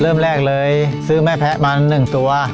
เริ่มแรกเลยซื้อแม่แพ้มา๑ตัว